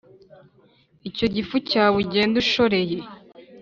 Icyo gifu cyawe ugenda ushoreye